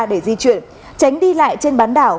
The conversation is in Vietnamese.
để di chuyển tránh đi lại trên bán đảo